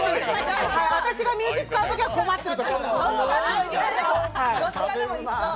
私が身内、使うときは困ってるとき。